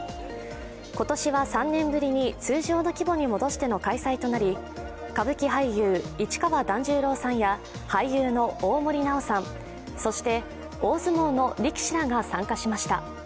今年は３年ぶりに通常の規模に戻しての開催となり歌舞伎俳優、市川團十郎さんや俳優の大森南朋さん、そして、大相撲の力士らが参加しました。